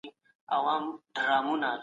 خپلي موخې په پوره دقت سره تعقیب کړئ.